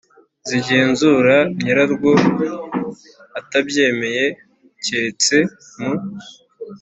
Z'igenzura nyirarwo atabyemeye, keretse mu